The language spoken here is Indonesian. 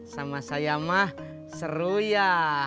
sama saya mah seru ya